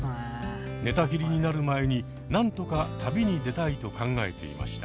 寝たきりになる前に何とか旅に出たいと考えていました。